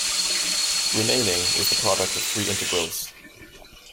Remaining is the product of three integrals.